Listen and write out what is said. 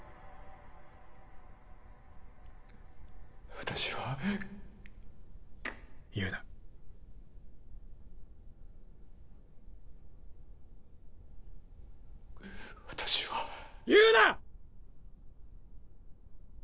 私はくっ言うな私は言うな！